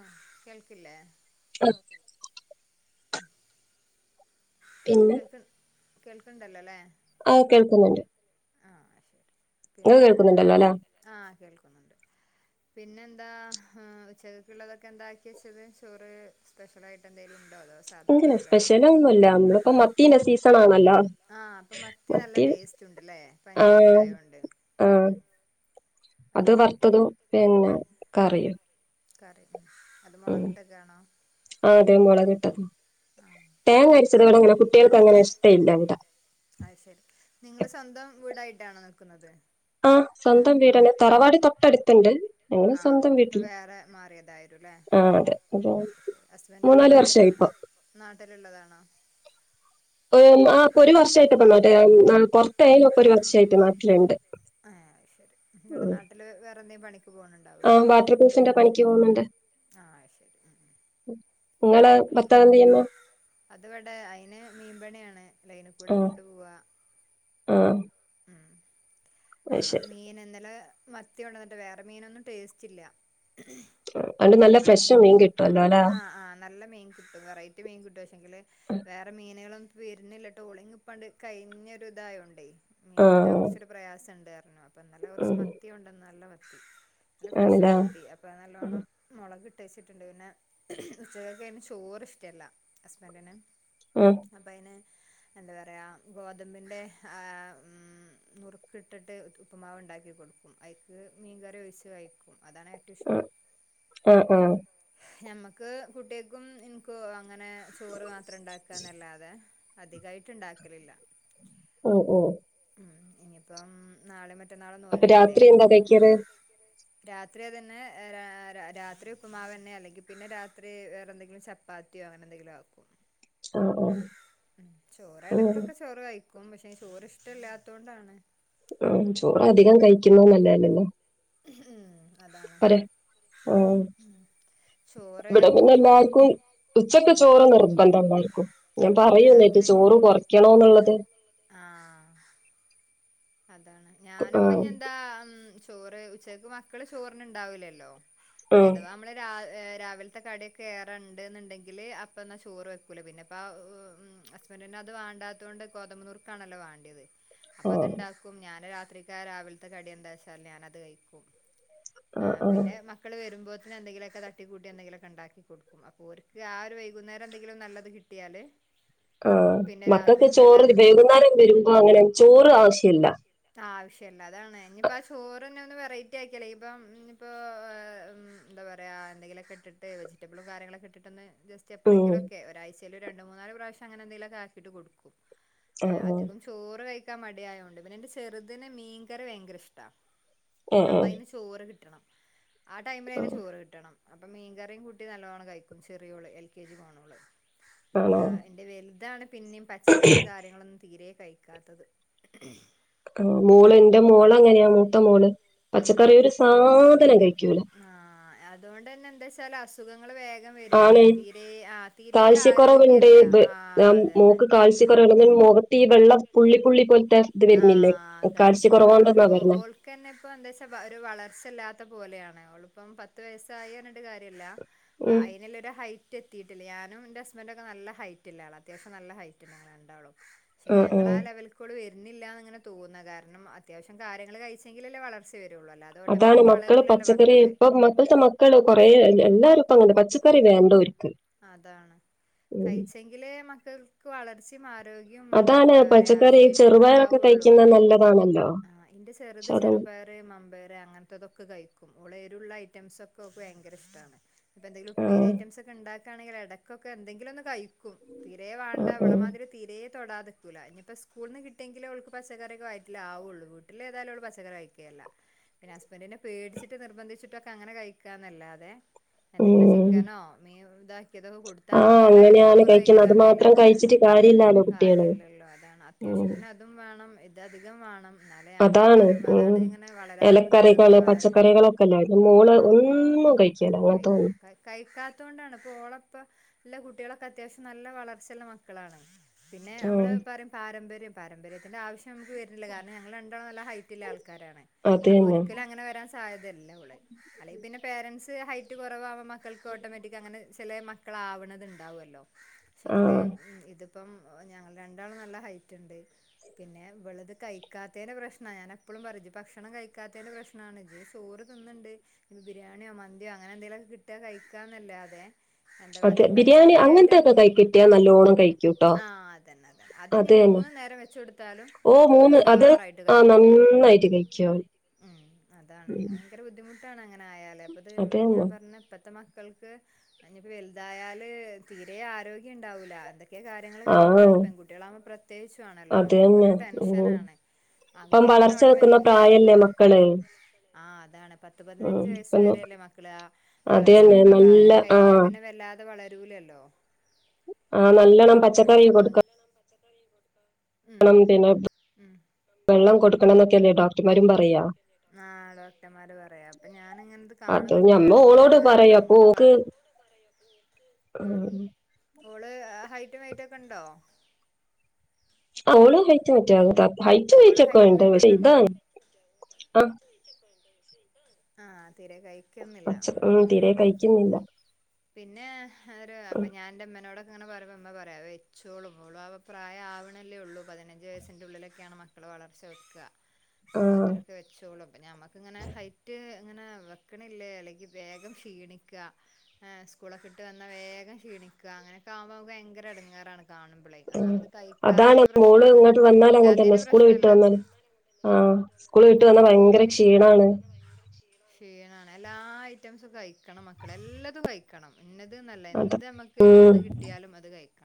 ആഹ് കേൾക്കില്ലേ ആഹ് പിന്നെ കേൾക് കേൾക്ണ്ടല്ലോ ലേ ആഹ് കേൾക്കുന്നുണ്ട് ആഹ് ശരി ഇങ്ങള് പിന്നെ കേൾക്കുന്നുണ്ടല്ലോ അല്ലെ ആഹ് കേൾക്കുന്നുണ്ട് പിന്നെ എന്താ ഹ് ഉച്ചകക്ക്ള്ളതൊക്കെ എന്താക്കി വെച്ചത് ചോറ് സ്പെഷ്യലായിട്ടെന്തേലും ഇണ്ട് സ്പെഷ്യലൊന്നുല്ല അമ്മള് ഓ മത്തിന്റെ സീസൺ ആണോ ഇപ്പം ആ അപ്പൊ മത്തി നല്ല ടേസ്റ്റ് ഉണ്ട് അല്ലേ പനീൻ ആഹ് ഇണ്ടായൊണ്ട് ആഹ് ഉം അത് വറുത്തതും പിന്നെ ഉം ഉം കറിയും കറി അത് ഉം മുളകെട്ടൊക്കൊണോ തത് [unintelligible] തേങ്ങ അരച്ചതോടെ അങ്ങനെ കുട്ടികൾക്ക് അങ്ങനെ ഇഷ്ടയില്ല ഇവിടെ ആണോ നിൽക്കുന്നത് ആ സ്വന്തം വീട് തന്നെ തറവാട് തൊട്ടടുത്തുണ്ട് ഞങ്ങള് ആഹ് സ്വന്തം അപ്പൊ വീട്ടില് വേറെ മാറിയതായിരും അല്ലെ ആഹ് അതെ അപ്പൊ ഹസ്ബൻ് എവിടാ മൂന്നാല് നാട്ടില വർഷായി ഇപ്പൊ നാട്ടിലുള്ളതാണോ ആ ഇപ്പൊ ഒരു വർഷമായിട്ട് ഇപ്പ മറ്റേ പുറത്തായരുന്നു ഇപ്പൊ ഒരു വർഷമായിട്ട് നാട്ടിലുണ്ട് ആഹ് ശരി നിങ്ങടെ നാട്ടില് വേ- [unintelligible] പോണണ്ടാവല്ലെ ആഹ് വാട്ടർ പ്രൂഫിന്റെ പണിക്ക് പോകുന്നുണ്ട് ആഹ ശരി ഇങ്ങളെ ഭർത്താവ് എന്ത് ചെയ്യുന്നു അത്വിടെ അയിന് മീൻപണിയാണ് ലൈനെ കൂടെ ആഹ് കൊണ്ടുപോവാ ആഹ് അത് അപ്പൊ ശരി മൻ ന്നല മത്തി കൊണ്ടന്നിട്ട് വേറെ മീനൊന്നും ടേസ്റ്റ് ഇല്ല ആ, അതുകൊണ്ട് നല്ല ഫ്രഷ് മീൻ കിട്ടുവല്ലോ അല്ലെ ആ ആ് നല്ല മീൻ കിട്ടും വെറൈറ്റി മീൻ കിട്ടും പക്ഷെങ്കില് വേറെ മീനുകളും വരുന്നില്ല ടോളിങ് ഇപ്പാണ്ട് കഴിഞ്ഞൊ ഒരു ഇതായോണ്ടേ മീൻ കിട്ടാൻ ആഹ് കുറച്ചൊരു പ്രയാസം ഉണ്ടര്ന്ന് അപ്പൊ നല്ല കുറച്ച് ഉം മത്തിയ കൊണ്ടെന്ന് നല്ല മത്തി നല്ല ഫ്രഷ് ആണല്ലേ മത്തി അപ്പൊ ഉം നല്ലോണ്ണം മുളക്ട്ട് ട്ട് വച്ചിട്ടുണ്ട് പിന്നെ ഉച്ചകേക്ക് പിന്നെ ചോറ് ഇഷ്ടല്ല ഹസ്ബൻ്റിന് ഉം ഉം ട്ട് അപ്പ അയിന് എന്താ പറയാ ഗോതമ്പിന്റെ ആ നുറുക്ക് ഇട്ടിട്ട് ഉപ്പ്മാവ് ഉണ്ടാക്കി കൊടുക്കും അയ്ക്ക് മീൻകറി ഒഴിച്ച് കഴിക്കും അതാണ് ഏറ്റവും ഉം ഇഷ്ടം ഉം ഉം ഞമ്മക്ക് കുട്ടികക്കും ഇൻക്കും അങ്ങനെ ചോറ് മാത്രം ഇണ്ടാക്കുകന്നല്ലാതെ അധികായിട്ട് ണ്ടാക്കലില്ല ഉം ഉം ഉം ഇനിയിപ്പം നാളെ മ അപ്പൊ രാത്രി എന്താ കയ്ക്കാറ് രാത്രി അതെന്നെ രാത്രി ഉപ്പ്മാവ് ന്ന അല്ലെങ്കിൽ പിന്നെ രാത്രി വേറെ എന്തെങ്കിലും ചപ്പാത്തിയോ അങ്ങനെ എന്തെങ്കിലും ആക്കും ആഹ് ആഹ് ഉ ചോറ് ഉം എടക്കൊക്കെ ചോറ് കഴി ക്കും പക്ഷെ ചോറ് ഇഷ്ടല്ലാതോണ്ടാണ് ഉം ചോറ് അധികം കഴിക്കുന്ന നല്ല അല്ലല്ലോ ഉം അതാണ് അരെ ആ ചോറ് ഇവിടെ പിന്നെ ഉം എല്ലാർക്കും ഉച്ചക്ക് ഉം ചോറ് നിർബന്ധ എല്ലാർക്കും ഞാൻ നിർബന്ധം പറയും ന്നിട്ട് രാത്രി ചോറ് കുറയ്ക്കണോന്നുള്ളത് ആഹ് അതാണ് ഞാനുപ്പ ഇനി എന്താ ചോറ് ഉച്ചക്ക് മക്കള് ചോറിന് ഉണ്ടാവില്ലല്ലോ ആഹ് നിഅഥവാ നമ്മള് രാ രാവിലത്തെ കടിയൊക്കെ ഏറെണ്ട് ന്ന്ണ്ടെങ്കിൽ അപ്പ എന്നാ ചോറ് വെക്കൂലേ പിന്നെ അപ്പ ആ ഹസ്ബൻഡ തന്നെ അത് വാണ്ടാത്തൊണ്ട് ഗോതമ്പനൂർക്കാണല്ലോ വേണ്ടിയത് അപ്പൊ ആഹ് അത്ണ്ടാക്കും ഞാന് രാത്രിക്ക് രാവിലത്തെ കടി എന്താ വെച്ചാൽ ഞാനത് കഴിക്കും ആഹ് പിന്നെ മക്കള് വരുമ്പോ എന്തെങ്കിലുമൊക്കെ തട്ടി കൂട്ടി എന്തെങ്കിലൊക്കെ ഇണ്ടാക്കി കൊടുക്കും അപ്പോ ഓർക്ക് ആ ഒരു വൈകുന്നേരം എന്തെങ്കിലും നല്ലത് കിട്ടിയാല്- ആഹ് പിന്നെ മക്കൾക്ക് രാത്രിക്കും ചോറ് എല്ലാ വൈകുന്നേരം വരുമ്പോ അങ്ങനെ ചോറ് ആവശ്യ ആവശ്യില്ല ആഹ് വിഷ് ശ്യല്ല അതാണ് ഇനിയിപ്പം ആ ചോറന്നെ ഒന്ന് വെറൈറ്റി ആക്കിയാല്. ഇപ്പം ഇനി ഇപ്പം ആഹ് ഇം എന്താ പറയാ എന്തെങ്കിലൊക്കെ ഇട്ടിട്ട് വെജിറ്റബിളും കാര്യങ്ങളൊക്കെ ഇട്ടിട്ടൊന്ന് ജസ്റ്റ് ഉം എപ്പളെങ്കിലൊക്കെ ഒരാഴ്ച്ചേല് രണ്ട് മൂന്നാല് പ്രാവ ശ്യം അങ്ങനെന്തെങ്കിലുഒക്കെ ആക്കീട്ട് കൊടുക്കും. ആഹ് ഏഹ് ആഹ് അധികം ചോറ് കഴി ക്കാൻ മടിയായോണ്ട് പിന്നെ എന്റെ ചെറുതിന് മീൻകറി ഭയങ്കര ഇഷ്ടാ. അപ്പ ആഹ് അതിന് ചോറ് കിട്ടണം ആ ടൈമില് അതിന് ആഹ് ചോറ് കിട്ടണം. അപ്പ മീൻകറിയും കൂട്ടി നല്ലോണം കഴിക്കും ചെറിയോള് എൽ. കെ. ജി പോണവള്. ആണോ ആഹ് എന്റെ വലുതാണ് പിന്നെയും പച്ചക്കറിയും കാര്യങ്ങളൊന്നും തീരേ കഴിക്കാത്തത് ആഹ് മോള് എന്റെ മോള് അങ്ങനെയാ മൂത്ത മോള്. ഉം പച്ചക്കറി ഒരു സാധനം കഴിക്കൂല. ആഹ് അതോണ്ടന്നെ എന്താച്ചാല് അസുഖങ്ങള് വേഗം വരാണേ ആണ് തീരെ ആ തീരെ കാൽസ്യക്കുറവെണ്ട് ആരോഗ്യല്ല ബ് അ ആഹ് അതന്നെ മോക്ക് കാൽസ്യക്കുറവെണ്ട് ഇങ്ങനീ മുഖത്ത് ഈ വെള്ള പുള്ളി പുള്ളി പോൽ ആഹ് കാൽസ്യക്കുറ അ ഓ പറഞ്ഞേ ഓൾക്കന്നെ പ്പോന്താച്ചാ വ ഒരു വളർച്ചല്ലാത്ത പോലെയാണ്. ന്ന ഓള്പ്പം പത്ത് വയസായി അർഞ് ട്ട് കാര്യല്ല അ ഉം അയിന്ള്ളരു ഹൈറ്റ് റ്റ എത്തിയിട്ടില്ല. ഞാനുംൻ്റെ ഹസ്ബന്റൊക്കെ നല്ല ഹൈറ്റില്ല ആളാ അത്യാവ്യം നല്ല ഹൈറ്റില്ല ആളാ ണ്ടാളും. ക്ഷേ ആ ആ യങ്ങളാ ലെവൽ കോള് വെ ന്നില്ലാന്ന്ങ്ങനെ തോന്ന കാരണം അത്യാവശ്യം കാര്യങ്ങള് കഴിച്ചെങ്കിലെല്ലേ വളർച്ച വ അതാണ് മക്കള് പച്ചക്കറി ഇപ്പം മ പൾത്തെ മക്കള് കൊറേ എൽ എല്ലാരുംപ്പ അങ്ങന്നെ പച്ചക്കറി വേണ്ട ഓര്ക്ക് അതാണ് കഴിച്ചെങ്കിലേ മ ക്കക്ക് വളർച് മാ രോഗ്യം അഹ് അതാണ് എന്താ പറ്യാ പച്ചക്കറി ശേഷി ഒക്കെ ചെറുപയറൊക്കെ ണ്ടാവോള്ളൂ. കഴിക്കുന്നത് നല്ലതാണല്ലോ ആഹ് ന്റെ പക്ഷെ ചെറ്ത് അത് ചെറുപയറ് മമ്പേര് അങ്ങൻത്തൊതൊക്കെ കഴിക്കും ഓള് രുള്ള ഐറ്റംസ് ഒക്കെ ഓക് വയങ്കര ഇഷ്ട്ടാണ് ഇപ്പ എന്തങ്കിലു ആ ഉപ്പേരി ഐറ്റംസോക്കെ ണ്ടാ ണെങ്കിൽ ഇടക്കൊക്കെ എന്തങ്കിലും ഒന്ന് ക തീരരെേ ആ വേണ്ട ആ വിളമാതിരി തീരെ ൊടാതെക്കൂല ഇനിയിപ്പോ സ്കൂള നിന്ന് കിട്ടിയെങ്കിൽ അവക്ക് പച്ചക്കറ ഒെ കായിട്ടില്ല ആവുള്ളൂ വീട്ടിൽ ഏതായും അവ പച്ചക്കറി കഴുകയല്ല പിന്നെ ഹസ്ബൻഡിനെ പടിച്ചട്ട് നിർബന്ധിച്ചിട്ടൊക്കെ അങ്ങനെ കഴിക്കാന്നല്ലാതെ എന്തെങ്കിലും ഉം ചിക്കനോ മീ ഇാക്കിയത കൊടുത്താ ആഹ് അങ്ങനെ അങ്ങനെയാണ് ചോറ് കഴിക്കുന്നത് അത് വായിക്കാന്നല്ല മാത്രം കഴിച്ചിട്ട് കാര്യല്ലാലോ കുട്ടികള് കാര്യല്ലല്ലോ അതാണ് ഉം അത്യാവശ്യത്തിന് അതും വണം ഇത് അധികം വേണം എന്നാലേ ഞാൻ എപ്പളും അതാണ് പറയും ഉ അതാണ് ഇങ്ങനെ വളരാതെ നിക്കണത് ഇലക്കറികള് വള പച്ചക്കറികളൊക്കെല്ല അ മോള് ആഹ് ഓ ഒന്നും കഴിക്കലോ അങ്ങനെ തോന്നും ഓള ഇപ്പല്ല കുട്ടികളൊക്കെ അത്യാവശ്യം നല്ല വളർച്ചുള്ള മക്കളാണ് പിന്നെ നമ്മള് ഉം പറയും പാരമ്പര്യം പാരമ്പര്യത്തിന്റെ ആവശ്യം നമുക്ക് വുന്നില്ല കാരണം ഞങ്ങൾ രണ്ടാള നല്ല ഹൈറ്റില്ല ആൾക്ക് അത് തന്നെ ഒരിക്കലും അങ്ങനെ വരാൻ സാധ്യത ഇല്ല സാധ്യതില്ല ഇവളെ അല്ലെങ്കി പിന്നെ പേരൻസ് ഹൈറ്റ് കുറവാകുമ്പ മക്കൾക്ക് ഓട്ടോമാറ്റിക്ക് അങ്ങ്ട് ചിലെ മക്കള് ആവണത് ഇണ്ടാവ്വല്ലോ ക്ഷേങ്കില് ആഹ് ഇതും ഇപ്പംആഹ് ഞങ്ങൾ രണ്ടാളും നല്ല ഹൈറ്റ് ഇണ്ട് പിന്നെ ഇവള്ത് കയ്ക്കാത്തതിൻ്റെ പ്രശ്നാ ഞാൻ എപ്പോളും പറഞ്ഞ് ഭക്ഷണം കഴിക്കാത്തേന്റെ പ്രശ്നാണ് ജ് സോറ് തിന്ന്ണ്ട് ഇങ്ങ് ബിരിയാണിയോ മന്തിയോ അങ്ങനെ എന്തെലൊക്കെ കിട്ടിയാൽ കഴിക്കാ എന്നല്ലാതെ എന്താ അത് പറയാ ഈ ബിരിയാണി പച്ചക്കറി ആയിട്ട് എന് അങ്ങനത്തൊക്കെ കൈ കിട്ടിയാ നല്ലോണം കഴിക്കൂട്ടോ ആഹ് അതന്നെ അതന്നെ അതന്നെ അത് തന്നെ മൂന്നു നേരം വെച്ച് കൊടുത്താലും ഓ ഓര് മൂന്ന് അത് ഷാറായിട്ട് ആഹ് കയ്ക്കും മ് നന്നായിട്ട് കഴിക്കും മ് അതാണ് ഭയങ്കര ബുദ്ധിമുട്ട് കാണാ ങ്ങ് ആയാല് അപ്പത് അവൻ ഉം മ് അത് ഞാൻ തന്നെ പറഞ്ഞ പ്പത്തെ മ ക്കൾക്ക് അനിപ്പ വല്തായാല് തീരെ ആരോഗ്യം ഉണ്ടാവൂല അതെ ക്കെ കാര്യങ്ങള് ആഹ് കയ്ഞ്ഞുകൂടാണ്ട് പെങ്കുട്ടികളുമ്പ പ്രത്യേകിച്ചുആണല്ലോ അപ്പ അത് നമ്മക്ക് ഇങ്ങന തന്നെ ഒരു ഉം ടെൻഷനാണ് ഇപ്പം ആങ്കുട്ടിക്ക് പിന്നെ വളർച്ച വെക്കുന്ന ഓട്ടോമാറ്റിക്ക് ആയ്ന് പ്രായല്ലേ മക്കള് ആ അതാണ് പത്ത് പതിനഞ്ച് ഉം വയസ് ഒന്ന് വരെല്ലേ മക്കള് ആ അത് വളർച്ച തന്നെ വെക്കണ നല്ല പ്രയാല് കയ്ഞ്ഞാ പിന്നെ വല്ലാതെ വളരൂലല്ലോ ആ നല്ലോണ്ണം പച്ചക്കറി കൊടുക്ക ച്ചകറി കൊടുക്കാ പണം തിനോത്ത് വെള്ളം കൊ കൊടുക്കണം എന്നൊക്കെ അല്ലേ ഡോക്ടർമാരും പറയാ ആഹ് ഡോക്ടർമാര് പറയാ അപ്പൊ ഞാനിങ്ങനത് അത് കാണുമ്പോ എനിക്കൊരു ഞമ്മ ഓളോട് എടങ്ങേറാ കാരണം അവന്റെ വള ആ ഉം ഓള് ഹൈറ്റും വൈറ്റും ഒക്കെ ഒണ്ടോ അവളും ഹൈറ്റ് [unintelligible] എന്താ ഹൈറ്റും മോളെ വെയ്റ്റും ഒക്കെ ഹൈറ്റും ഒണ്ട് വെയിറ്റും പക്ഷെ ഒക്കെ ഉ ഇതാണ് ആഹ് ആ തീരെ കയ്ക്കുന്നില്ല ഉം ഉം തീരെ കഴിക്കുന്നില്ല പിന്നെ ഒര് അപ്പൊ ഞാൻന്റെമ്മനോട അങ്ങനെ പറയ്മ്പോ ഉമ്മ പറയാ വെയ്ച്ചോളും മോളൂ അവ പ്രായ ആവ്ണേല്ലേ ഉള്ളൂ. പതിനഞ്ച് വയസ്സിന്റെ ഉള്ളിലേ ക്കാണ് മക്കള് വളർച്ച വെക്ക. ആ ആ അപ്പൊത്തിനൊക്കെ വെച്ചോളൂ. അപ്പൊ ഞമ്മക്കിങ്ങനെ ഹൈറ്റ് അങ്ങനെ വെക്ക്‌ണില്ലേ അല്ലെങ്കി വേഗം ക്ഷീണിക്കാ. ഏ സ്കൂളൊക്കെ ഇട്ട് വന്നാ വേഗം ക്ഷീണിക്ക. അങ്ങനെക്കാഉമ്പോ നമുക്ക് ഭയങ്കര എടങ്ങേറാണ്. കാണുമ്പളെ ഒന്നാമത് കയ്ക്കാത്തേന്റെ പ്രശ്നാണ് കിട് ങ്ങനെ തന്നെ സ്കൂള് വിട്ട് വന്നാല് ആഹ് സ്കൂള് വിട്ട് വന്നാ ഭയങ്കര ക്ഷീണാണ്. ക്ഷീണായി ക്ഷീണാണ് എല്ലാ ഐറ്റംസും കഴിക്കണം മക്കള് എല്ലതും കഴിക്കണം. ഇന്നത് ന്നല്ല അത എന്ത് നമ്മുക്ക് ഉം എവിടന്ന് കിട്ടിയാലും അത് കഴിക്ക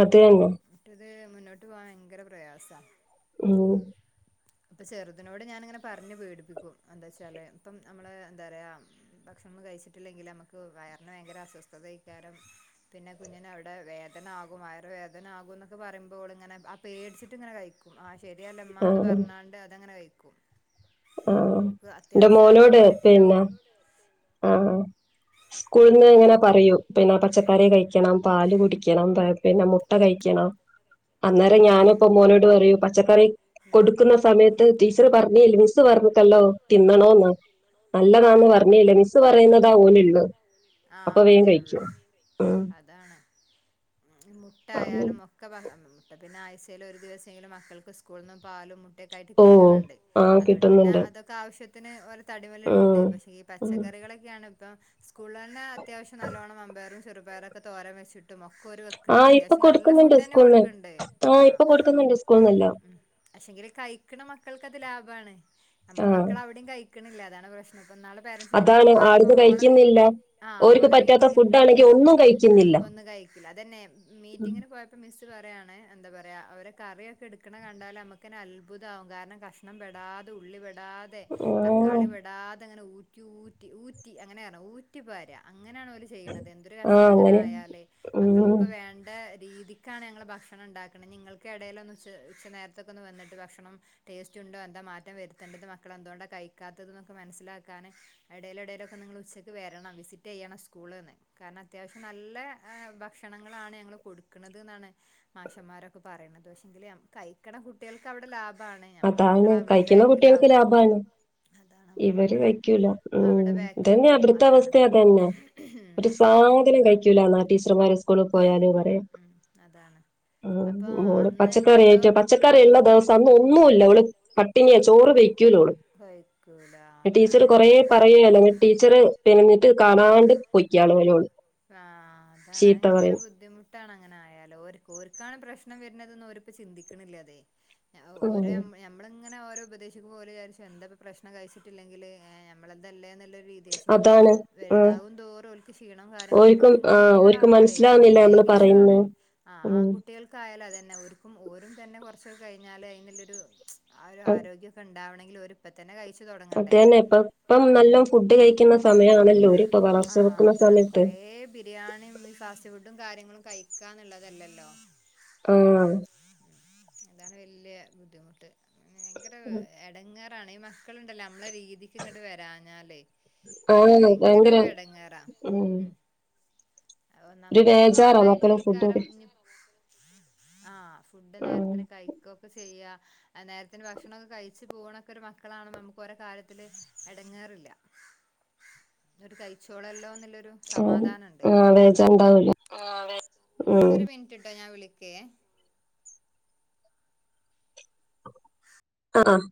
അത് തന്നെ അത് മുന്നോട്ട് പോവാൻ ഭയങ്കര [unintelligible] പ്രയാസാ ഉം ഇപ്പൊ ചെറുതിനോട് ഞാനിങ്ങനെ പറഞ്ഞു പേടിപ്പിക്കും, എന്താച്ചാല് ഇപ്പം നമ്മള് എന്താ പറയാ ഭക്ഷണം ഒന്നും കഴിച്ചിട്ടില്ലെങ്കില് നമുക്ക് വയറിന് ഭയങ്കര അസ്വസ്ഥതയ്ക്കാരം പിന്നെ കുഞ്ഞിനവിടെ വേതനാകും വയറ് വേദന ആകും എന്നൊക്കെ പറയുമ്പോ ഓള് ഇങ്ങനെ ആഹ് പേടിച്ച് [unintelligible] ഇങ്ങനെ കഴിക്കും വാശി ശെരിയല്ലുമ്മാന്ന് പറഞ്ഞാണ്ട് അതങ്ങനെ കഴി [unintelligible] ആഹ് ഇന്റെ മോനോട് ക്വാണ്ടിറ്റിയില് പിന്നെ ഓക്ക് ഉം ആഹ് സ്കൂളിന്ന് ഇങ്ങനെ പറയും [unintelligible] പച്ച കറി കഴിക്കണം പാല് കുടിക്കണം [unintelligible] പിന്നെ മുട്ട കഴിക്കണം അന്നേരം ഉം ഞാനിപ്പം മോനോട് പറയും പച്ച കൊടുക്കുന്ന സമയത്ത് ടീ ടീച്ചർ പറഞ്ഞ [unintelligible] പറഞ്ഞിട്ടല്ലോ തിന്നണോ എന്ന നല്ലതാന്ന് ആഹ് പറഞ്ഞില്ലെ മിസ്സ് പറയുന്നുന്നതാ ഒലെള്ളൂ ആഹ് അതെ ഒള്ളൂ അതാണ് മുട്ട ഉം ആയാലും ഒക്കെ പട്ട പിന്നെ ആഴ്ചേല് ഒരു ദിവസെങ്കിലും മക്കൾക്ക് സ്കൂള്ന്ന് പാലും മു ക്കായിട്ട് ഓ കിട്ട്ണ്‌ണ്ട് ആ അതോണ്ട് പിന്നെ കിട്ടുന്നുണ്ട് അതൊക്കെ ആവശ്യ [inaudible] ത്തിന് ഓലെ തടിമല്ണ്ട് ഉം പക്ഷെ ഈ ഉം പച്ചക്കറികളെക്കെയാണ് ഇപ്പ സ്കൂ സ്കൂള ന്ന അത്യാവശ്യം നല്ലോണം മമ്പേയ്റ് ചെറുപയറൊക്കെ തോരൻ വെച്ചിട്ട് ട്ടും ഒക്കെ ഒര് വെക്ക്ൺ ആ ഇണ്ട് ഇപ്പൊ അത്യാവശ്യം നല്ല കൊടുക്കുന്നുണ്ട് ഫുഡെന്നെ സ്കൂളിന്ന് കൊട്ക്ക്ണ്ട് ആ ഇപ്പൊ കൊടുക്കുന്നുണ്ട് സ്കൂളിന്നെല്ലാം പക്ഷെങ്കിൽ കഴ്ക്ക്ണ മക്കൾക്ക് അത് ലാഭാണ് ആ നമ്മളെമക്കൾ അവ്ടിം കഴി ക്ക്ണില്ല അതാണ് പ്രശ് പ്പം ഇന്നാൾ പാരന്റ്സ് മീറ്റിംഗിന് അതാണ് പോയപ്പോ ആടുന്ന് ഓളെ നി കഴിക്കുന്നില്ല ആ ഓര്ക്ക് ഓലെ പറ്റാത്ത മീറ്റിങ്ങിന് ഫുഡ് ആണെങ്കിൽ ഒന്നും കഴിക്കുന്നില്ല ഒന്നും കഴിക്ക്ല്ല അതെന്നെ മീറ്റിങ്ങിന് പോയപ്പോ മിസ്സ് പറിയാണ് എന്താ പറ അവര് കറിയൊക്കെ ഇട്ക്ക്ണെ കണ്ടാൽ അമ്മെക്കെന്നെ അത്ഭുതാവും കാരണം കഷണം പെടാതെ ഉള്ളി വെ ടാതെ ആ തക്കാളി പെടാതെ ഇങ്ങനെ ഊ ഊറ്റി ഊറ്റി ഊറ്റി അങ്ങനെ പർണെ ഊ റ്റി പാരാ അങ്ങനെയാൺ ഓൽ ചെയ്യ്ണെത് എന്തൊരു ആഹ് കഷ്ടാ ഇങ്ങനെ അങ്ങനെ ആയാൽ ഉം മക്കൾക്കിപ്പോ വേണ്ടെ രീതിക്കാണ് ഞങ്ങൾ ഭക്ഷണം ഇണ്ടാക്ക്ണെ ഇഞ് ഇങ്ങൾക്ക് എടെൽ ഒന്ന്‌ ഉച്ച ഉച്ചനേര്ത്തൊക്കെ ഒന്ന് വന്നിട്ട് ഭക്ഷണം ടേസ്റ്റ് ഉണ്ടോ എന്താ മാറ്റം വരുത്തേണ്ടത് മക്കൾ എന്തു കൊണ്ടാ കഴിക്കാത്തത് ഇന്നൊക്കെ മനസ്സിലാക്കാന് എടെൽ എടെലൊക്കെ ഒന്ന് ഇങ്ങൾ ഉച്ചക്ക് വെര് വെരണം വിസിറ്റ് ചെയ്യണം സ്കൂൾന്ന് കാരണം അത്യാവശ്യം നല്ല ഭക്ഷണങ്ങളാണ് ഞങ്ങൾ കൊട്ക്ക്ണത് ഇന്നാണ് മാഷന്മാരൊക്കെ പറിണെത് പക്ഷെങ്കിൽ അമ് കഴിക്കണ കുട്ടെൾക്ക് അവ്ടെ ലാഭ അതാണ് കഴിക്കുന്ന കുട്ടെൾക്ക് ലാഭാണ്. അതാണ് നമ്മളെ ഇവര് മക്കള് കഴിക്കൂല ഉം അവിടെ ബാക്കില് ഇതെന്നാ പോവും ഇവട് ത്തെ അതാണ് അവസ്ഥിം അതെന്നെ ഒര് സാധനം കഴിക്കൂലാന്നാ ടീച്ചർമാര് സ്കൂൾൽ പോയാലും ഉം അതാണ് ആ അപ്പൊ മോള് അന്ന് ഇപ്പ പച്ചക്കറി എന്തോ അയിറ്റം പച്ചക്കറി ഇള്ള ദിവസം അന്ന് ഓള് പട്ടിണിയാ ചോറ് വെയ് ക്കുലോള് കഴിക്കൂല ടീച്ചർ കൊറേ അതാണ് പറയെലോ ന്നട്ട് ടീച്ചർ തെരഞ്ഞിട്ട് കാണാണ്ട് പൊയ്ക്കാണോലോ ഓള് ചീത്ത പറി ട്ടാണ് അങ്ങനായാൽ ഓര്ക്ക് ഓര്ക്കാണ് പ്രശ്നം വെര്ണെത് ന്ന് ഒര്പ്പം ചിന്തിക്ക്ണ് ഇല്ല അതെയ് ഞ ഓര് ഉം നമ്മ നമ്മളെ ഇങ് ഇങ്ങനെ ഓരെ ഉപദേശിക്കുമ്പോ ഓര് വിചാരിച്ചും ഇപ്പെന്താപ്പം പ്രശ്നം കയിച്ചിട്ടില്ലെങ്കിൽ ഏ നമ്മളതല്ലേന്ന് ണ്ടൊര് രീതി പക്ഷെ കു അതാണ് ആഹ് വലുതാകും തോറും ഓൽക്ക് ക്ഷീണം കാര്യങ്ങളും പിന്നെ ഓര്ക്കും ആഹ് ഓര്ക്ക് പെൺകുട്ടികളാവുമ്പളെ മനസ്സിലാവുന്നില്ല നമ്മള് പ്രത്യേകിച്ചും ആണ് പറയുന്നെ ആ ഉം ആൺകുട്ടെൾക്കായാൽഅതെന്നെ ഓര്ക്കും ഓരും തന്നെ കൊർച്ചൊക്കെ കഴിഞ്ഞാല് അയിൻ ഇള്ളൊരു ആ ഒര് ആരോഗ്യം ഒക്കൊ ഇണ്ടാവണെ ള്ളൊരും ഇപ്പത്തന്നെ കഴിച്ചാ അതെന്നെ ഇപ്പം ഇപ്പം നല്ലോം ഫുഡ് കഴിക്കുന്ന സമയാണല്ലൊ ഓര് ഇപ്പ ആ വളർച്ച വെക്കുന്ന അതാണ് സമയത്ത് കൊറേ ബിരിയാണിയും ഈ ഫാസ്റ്റ്ഫുഡും കാര്യങ്ങളും കയിക്കാന്ന്ള്ളതല്ലല്ലോ ആ അതാണ് വല്യ ബുദ്ധിമുട്ട് ഭയങ്കര എടങ്ങേർ ട്ടാണ് ഈ മക്കള്ണ്ടല്ലോ നമ്മളെ രീതിക്ക്‌ങ്ങ‌ട്ട്‌ വരാഞ്ഞാലേ ആഹ് ഞാൻ ഭയങ്കര ങ്കരാ ഒരു എടങ്ങേറാ ഉം ഒരു ഒന്നാമത് അവര്ക്ക് ബേജാറാ മക്കള് വണ്ടായിട്ടായിക്കാരം. ഫുഡൊക്കെ ആഹ് ഫുഡ് ആഹ് നേരത്തിന് കഴിക്കൊക്കെ ചെയ്യാ നേരത്തിന് ഭക്ഷണൊക്കെകഴിച്ച് പോവണൊക്കൊരു മക്കളാണ് നമുക്കോരെകാര്യത്തില് എടങ്ങേറില്ല ഓര് കയിച്ചോളല്ലോന്നുള്ളൊരു ഒരു ആഹ് സമാധാനണ്ട്. ആഹ് ബേജാറുണ്ടാവൂലേ ആഹ്-അതെ ഉം ഒരുമിനിടറ്റെട്ടോ ഞാൻ വിളി കേ [inaudible] അആഹ്